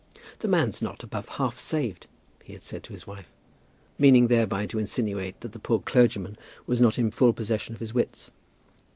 "The man's not above half saved," he had said to his wife, meaning thereby to insinuate that the poor clergyman was not in full possession of his wits.